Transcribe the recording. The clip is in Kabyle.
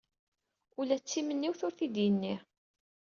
Ula d timenniwt ur t-id-yenni.